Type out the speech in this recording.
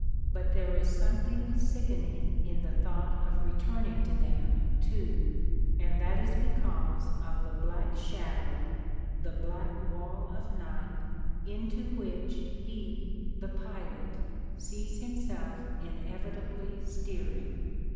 But there is something sickening in the thought of returning to them, too, and that is because of the "black shadow," the "black wall of night," into which he, the pilot, sees himself inevitably steering.